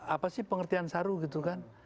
apa sih pengertian saru gitu kan